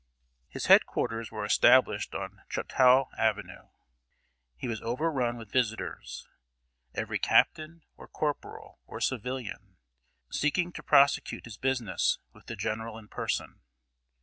His head quarters were established on Chouteau Avenue. He was overrun with visitors every captain, or corporal, or civilian, seeking to prosecute his business with the General in person.